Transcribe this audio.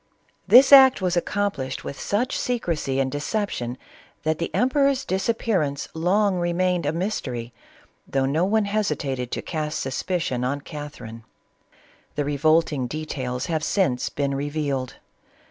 This act was accomplished with such secrecy and deception, that the emperor's disappearance long re mained a mystery, though no one hesitated to cast sus picion on Catherine. The revolting details have since been revealed.